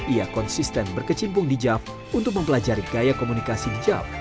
ia konsisten berkecimpung di jav untuk mempelajari gaya komunikasi di jav